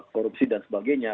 korupsi dan sebagainya